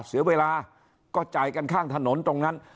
เสียเวลาก็จ่ายกันข้างถนนตรงนั้น